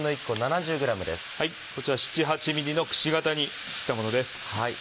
こちら７８ｍｍのくし形に切ったものです。